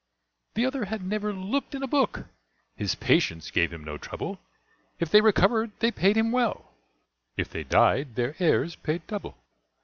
The other had never looked in a book; His patients gave him no trouble If they recovered they paid him well, If they died their heirs paid double.